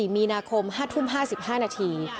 ๔๐๐มีนาคมไมธรรม๕๕นาที